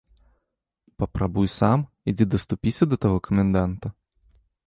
Папрабуй сам, ідзі даступіся да таго каменданта.